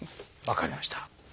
分かりました。